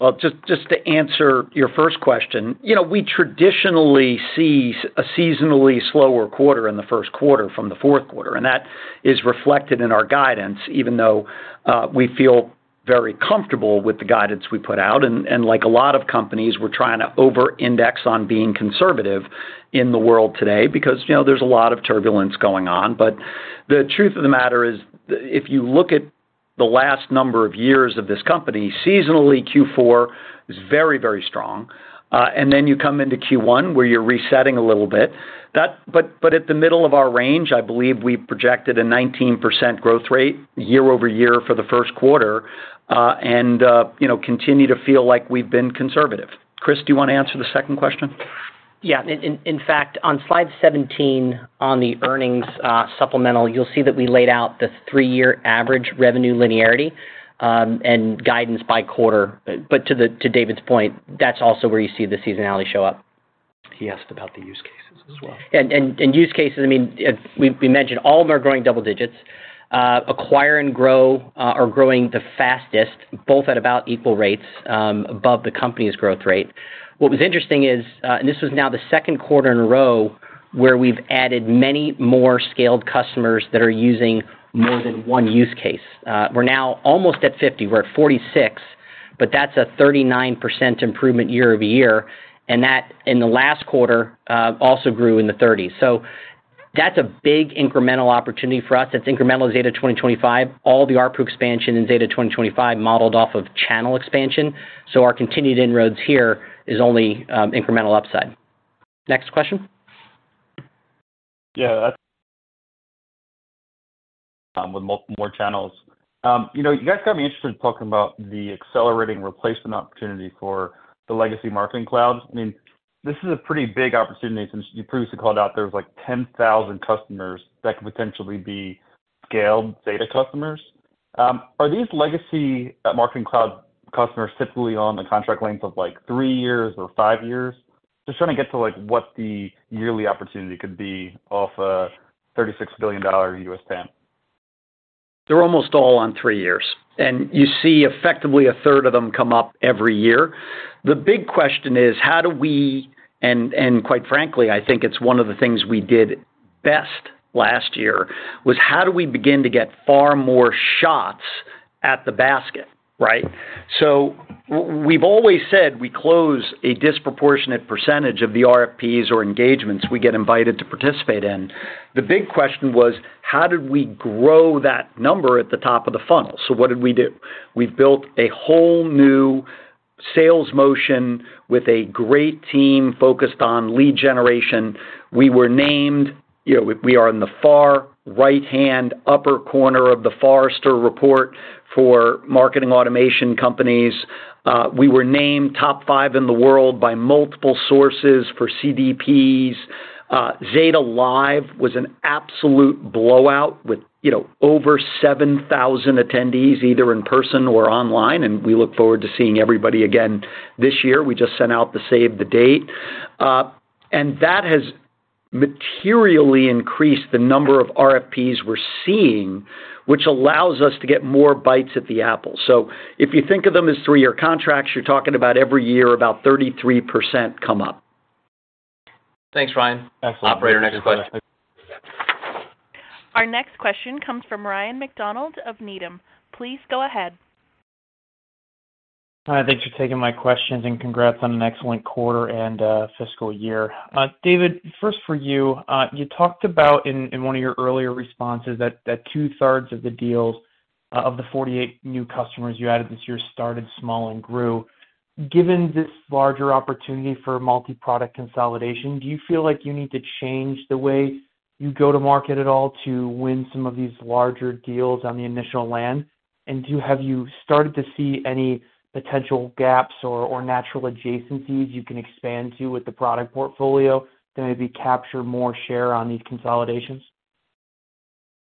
Well, just to answer your first question, you know, we traditionally see a seasonally slower quarter in the first quarter from the fourth quarter. That is reflected in our guidance, even though we feel very comfortable with the guidance we put out. Like a lot of companies, we're trying to overindex on being conservative in the world today because, you know, there's a lot of turbulence going on. The truth of the matter is if you look at the last number of years of this company, seasonally, Q4 is very, very strong. You come into Q1, where you're resetting a little bit. At the middle of our range, I believe we projected a 19% growth rate year-over-year for the first quarter, you know, continue to feel like we've been conservative. Chris, do you wanna answer the second question? In fact, on slide 17 on the earnings, supplemental, you'll see that we laid out the three-year average revenue linearity, and guidance by quarter. To David's point, that's also where you see the seasonality show up. He asked about the use cases as well. Use cases, I mean, we mentioned all of them are growing double-digits. Acquire and grow are growing the fastest, both at about equal rates, above the company's growth rate. What was interesting is, this was now the second quarter in a row, where we've added many more scaled customers that are using more than one use case. We're now almost at 50%. We're at 46%, but that's a 39% improvement year-over-year, and that in the last quarter also grew in the 30s. That's a big incremental opportunity for us. That's incremental Zeta 2025. All the ARPU expansion in Zeta 2025 modeled off of channel expansion, our continued inroads here is only incremental upside. Next question. Yeah. That's... with more channels. you know, you guys got me interested in talking about the accelerating replacement opportunity for the legacy marketing clouds. I mean, this is a pretty big opportunity since you previously called out there was, like, 10,000 customers that could potentially be scaled data customers. Are these legacy marketing cloud customers typically on the contract length of, like, three years or five years? Just trying to get to, like, what the yearly opportunity could be off a $36 billion U.S. TAM. They're almost all on three years. You see effectively 1/3 of them come up every year. Quite frankly, I think it's one of the things we did best last year, was how do we begin to get far more shots at the basket, right? We've always said we close a disproportionate percentage of the RFPs or engagements we get invited to participate in. The big question was, how did we grow that number at the top of the funnel? What did we do? We've built a whole new sales motion with a great team focused on lead generation. We were named, you know, we are in the far right-hand upper corner of the Forrester report for marketing automation companies. We were named top five in the world by multiple sources for CDPs. Zeta Live was an absolute blowout with, you know, over 7,000 attendees, either in person or online, and we look forward to seeing everybody again this year. We just sent out the save the date. That has materially increased the number of RFPs we're seeing, which allows us to get more bites at the apple. If you think of them as three-year contracts, you're talking about every year, about 33% come up. Thanks, Ryan. Absolutely. Operator, next question. Our next question comes from Ryan MacDonald of Needham. Please go ahead. Hi, thanks for taking my questions, and congrats on an excellent quarter and fiscal year. David, first for you. You talked about in one of your earlier responses that 2/3 of the deals, of the 48 new customers you added this year started small and grew. Given this larger opportunity for multi-product consolidation, do you feel like you need to change the way you go to market at all to win some of these larger deals on the initial land? Have you started to see any potential gaps or natural adjacencies you can expand to with the product portfolio to maybe capture more share on these consolidations?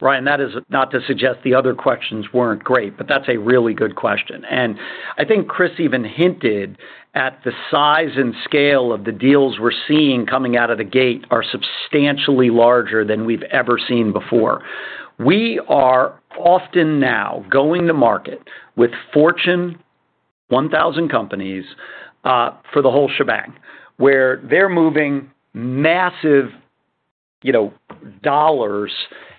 Ryan, that is not to suggest the other questions weren't great, but that's a really good question. I think Chris even hinted at the size and scale of the deals we're seeing coming out of the gate are substantially larger than we've ever seen before. We are often now going to market with Fortune 1000 companies for the whole shebang, where they're moving massive dollars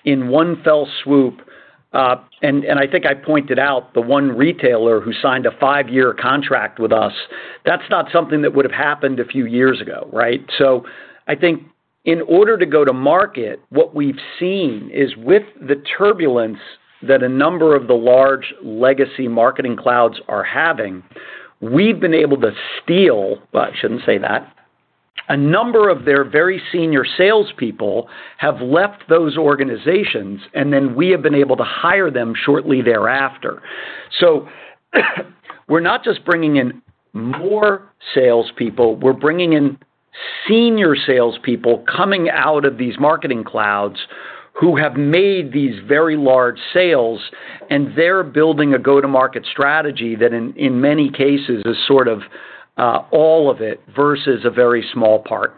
in one fell swoop. And I think I pointed out the one retailer who signed a five-year contract with us, that's not something that would've happened a few years ago, right? I think in order to go to market, what we've seen is with the turbulence that a number of the large legacy marketing clouds are having, we've been able to steal. Well, I shouldn't say that. A number of their very senior salespeople have left those organizations, and then we have been able to hire them shortly thereafter. We're not just bringing in more salespeople, we're bringing in senior salespeople coming out of these marketing clouds who have made these very large sales, and they're building a go-to-market strategy that in many cases is sort of all of it versus a very small part.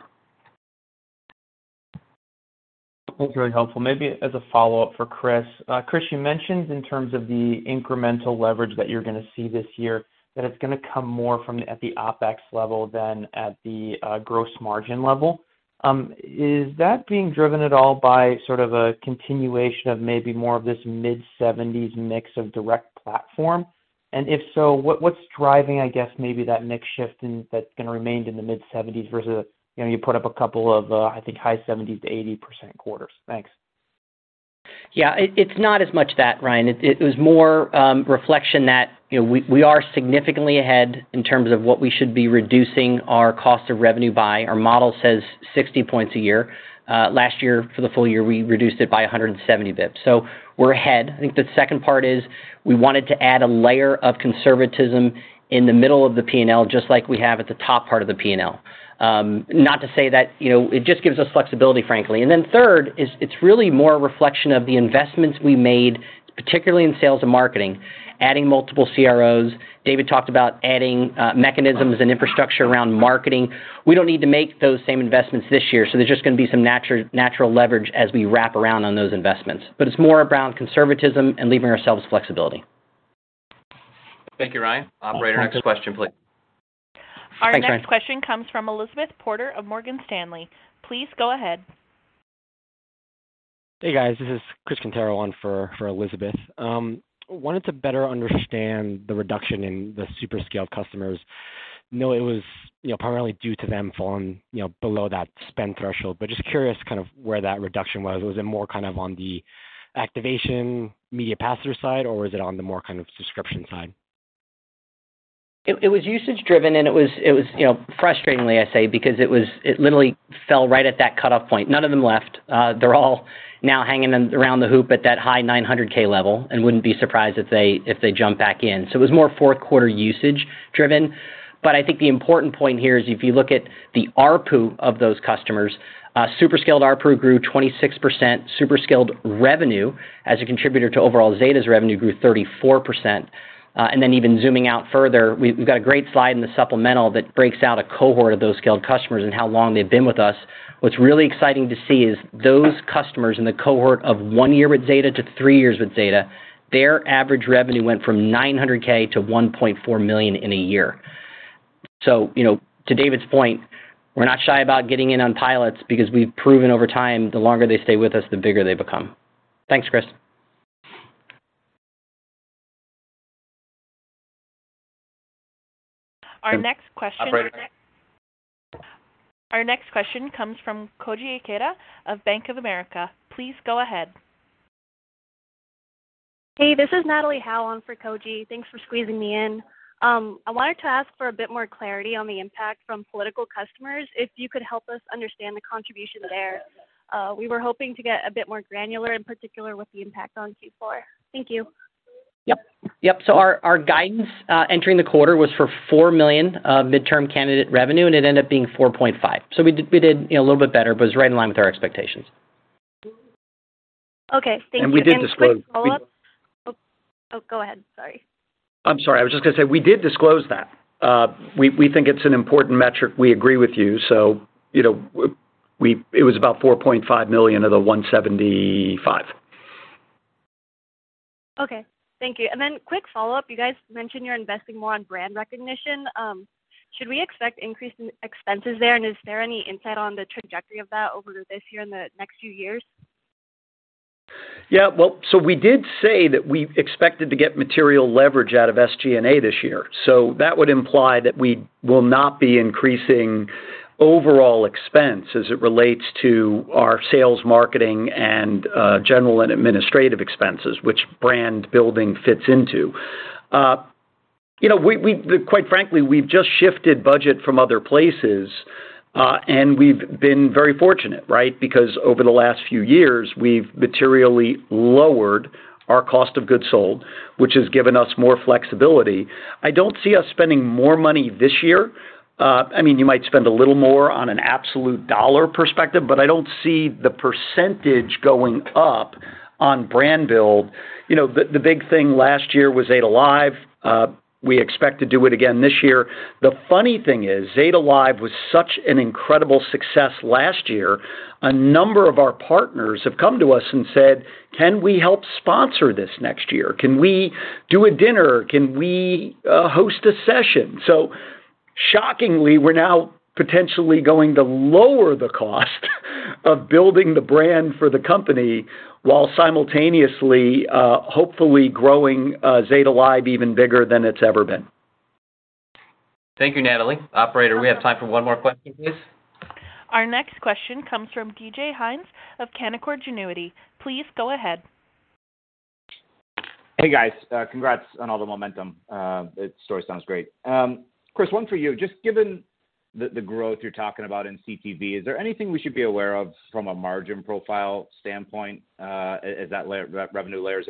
That's very helpful. Maybe as a follow-up for Chris. Chris, you mentioned in terms of the incremental leverage that you're gonna see this year, that it's gonna come more from at the OpEx level than at the gross margin level. Is that being driven at all by sort of a continuation of maybe more of this mid-70s mix of direct platform? If so, what's driving, I guess, maybe that mix shift in, that's gonna remain in the mid-70s versus, you know, you put up a couple of, I think, high 70%-80% quarters? Thanks. Yeah. It's not as much that, Ryan. It was more reflection that, you know, we are significantly ahead in terms of what we should be reducing our cost of revenue by. Our model says 60 points a year. Last year, for the full year, we reduced it by 170 basis points. We're ahead. I think the second part is we wanted to add a layer of conservatism in the middle of the P&L, just like we have at the top part of the P&L. You know, it just gives us flexibility, frankly. Third is it's really more a reflection of the investments we made, particularly in sales and marketing, adding multiple CROs. David talked about adding mechanisms and infrastructure around marketing. We don't need to make those same investments this year. There's just gonna be some natural leverage as we wrap around on those investments. It's more around conservatism and leaving ourselves flexibility. Thank you, Ryan. Okay. Operator, next question, please. Thanks, Ryan. Our next question comes from Elizabeth Porter of Morgan Stanley. Please go ahead. Hey, guys. This is Chris Quintero on for Elizabeth. Wanted to better understand the reduction in the super scaled customers. Know it was, you know, primarily due to them falling, you know, below that spend threshold, but just curious kind of where that reduction was. Was it more kind of on the activation media passer side, or was it on the more kind of subscription side? It was usage driven, and it was, you know, frustratingly, I say, because it literally fell right at that cutoff point. None of them left. They're all now hanging in around the hoop at that high $900,000 level and wouldn't be surprised if they jump back in. It was more fourth quarter usage driven. I think the important point here is if you look at the ARPU of those customers, super scaled ARPU grew 26%. Super scaled revenue as a contributor to overall Zeta's revenue grew 34%. Even zooming out further, we've got a great slide in the supplemental that breaks out a cohort of those scaled customers and how long they've been with us. What's really exciting to see is those customers in the cohort of one year with Zeta to three years with Zeta, their average revenue went from $900,000 to $1.4 million in a year. You know, to David's point, we're not shy about getting in on pilots because we've proven over time, the longer they stay with us, the bigger they become. Thanks, Chris. Our next question- Operator. Our next question comes from Koji Ikeda of Bank of America. Please go ahead. Hey, this is Natalie Howe on for Koji. Thanks for squeezing me in. I wanted to ask for a bit more clarity on the impact from political customers, if you could help us understand the contribution there. We were hoping to get a bit more granular, in particular with the impact on Q4. Thank you. Yep. Yep. Our guidance entering the quarter was for $4 million of midterm candidate revenue, and it ended up being $4.5 million. We did, you know, a little bit better, but it's right in line with our expectations. Okay. Thank you. Go ahead. Sorry. I'm sorry. I was just gonna say we did disclose that. We think it's an important metric. We agree with you. You know, it was about $4.5 million of the 175. Okay. Thank you. Quick follow-up, you guys mentioned you're investing more on brand recognition. Should we expect increase in expenses there, and is there any insight on the trajectory of that over this year and the next few years? Yeah. We did say that we expected to get material leverage out of SG&A this year. That would imply that we will not be increasing overall expense as it relates to our sales, marketing, and general and administrative expenses, which brand building fits into. You know, we quite frankly, we've just shifted budget from other places, and we've been very fortunate, right? Because over the last few years, we've materially lowered our cost of goods sold, which has given us more flexibility. I don't see us spending more money this year. I mean, you might spend a little more on an absolute dollar perspective, but I don't see the percentage going up on brand build. You know, the big thing last year was Zeta Live. We expect to do it again this year. The funny thing is, Zeta Live was such an incredible success last year, a number of our partners have come to us and said, "Can we help sponsor this next year? Can we do a dinner? Can we host a session? Shockingly, we're now potentially going to lower the cost of building the brand for the company while simultaneously, hopefully growing Zeta Live even bigger than it's ever been. Thank you, Natalie. Operator, we have time for one more question, please. Our next question comes from DJ Hynes of Canaccord Genuity. Please go ahead. Hey, guys. Congrats on all the momentum. The story sounds great. Chris, one for you. Just given the growth you're talking about in CTV, is there anything we should be aware of from a margin profile standpoint, as that revenue layers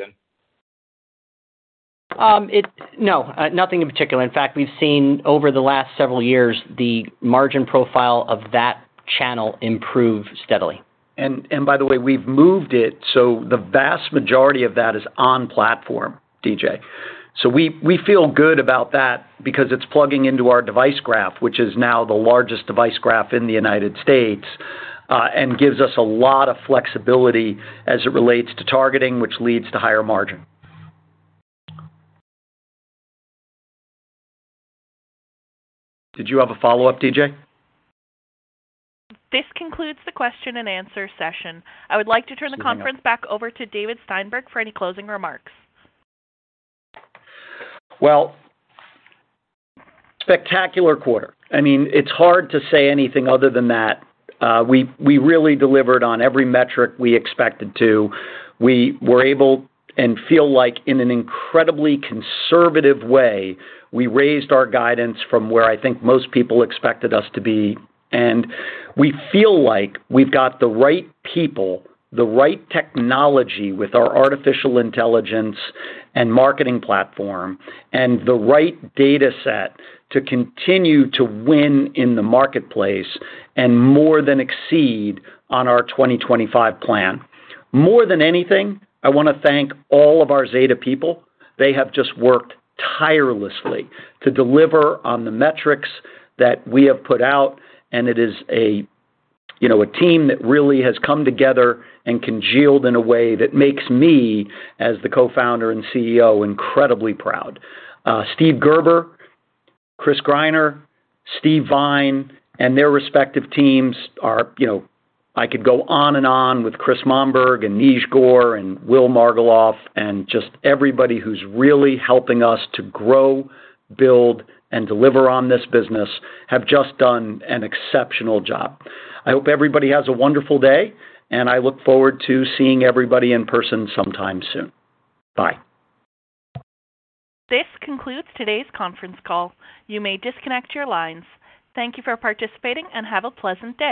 in? No, nothing in particular. In fact, we've seen over the last several years the margin profile of that channel improve steadily. By the way, we've moved it, so the vast majority of that is on platform, DJ. We feel good about that because it's plugging into our device graph, which is now the largest device graph in the United States, and gives us a lot of flexibility as it relates to targeting, which leads to higher margin. Did you have a follow-up, DJ? This concludes the question and answer session. I would like to turn the conference back over to David Steinberg for any closing remarks. Well, spectacular quarter. I mean, it's hard to say anything other than that. We really delivered on every metric we expected to. We were able and feel like in an incredibly conservative way, we raised our guidance from where I think most people expected us to be. We feel like we've got the right people, the right technology with our artificial intelligence and marketing platform, and the right data set to continue to win in the marketplace and more than exceed on our 2025 plan. More than anything, I wanna thank all of our Zeta people. They have just worked tirelessly to deliver on the metrics that we have put out, and it is a, you know, a team that really has come together and congealed in a way that makes me, as the Co-Founder and CEO, incredibly proud. Steve Gerber, Chris Greiner, Steve Vine, and their respective teams are, you know... I could go on and on with Chris Monberg and Neej Gore and Will Margiloff and just everybody who's really helping us to grow, build, and deliver on this business have just done an exceptional job. I hope everybody has a wonderful day, and I look forward to seeing everybody in person sometime soon. Bye. This concludes today's conference call. You may disconnect your lines. Thank you for participating, and have a pleasant day.